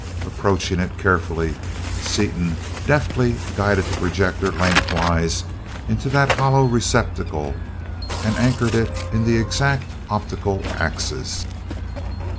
Approaching it carefully, Seaton deftly guided the projector lengthwise into that hollow receptacle and anchored it in the exact optical axis.